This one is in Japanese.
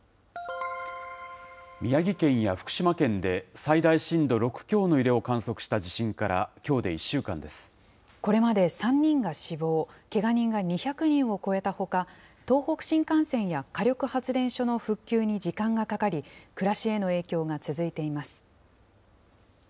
宮城県や福島県で最大震度６強の揺れを観測した地震から、きこれまで３人が死亡、けが人が２００人を超えたほか、東北新幹線や火力発電所の復旧に時間がかかり、暮らしへの影響が続いています。